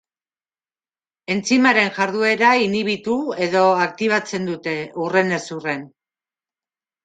Entzimaren jarduera inhibitu edo aktibatzen dute, hurrenez hurren.